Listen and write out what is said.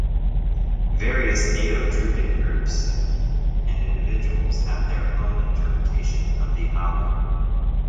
Various Neo-Druidic groups and individuals have their own interpretation of the awen.